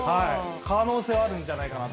可能性はあるんじゃないかと。